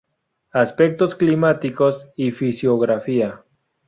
Aspectos climáticos y fisiografía.